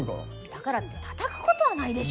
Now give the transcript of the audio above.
だからってたたくことはないでしょ。